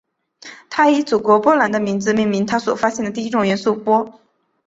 她以祖国波兰的名字命名她所发现的第一种元素钋。